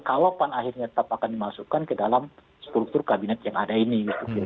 kalau pan akhirnya tetap akan dimasukkan ke dalam struktur kabinet yang ada ini